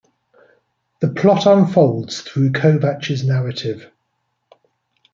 The plot unfolds through Kovacs' narrative.